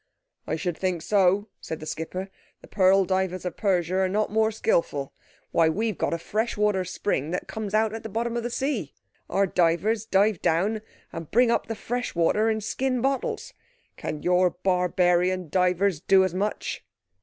"I should think so," said the skipper. "The pearl divers of Persia are not more skilful. Why, we've got a fresh water spring that comes out at the bottom of the sea. Our divers dive down and bring up the fresh water in skin bottles! Can your barbarian divers do as much?"